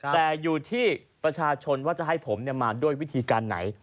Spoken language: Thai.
แต่อยู่ที่ประชาชนว่าจะให้ผมมาด้วยวิธีการไหน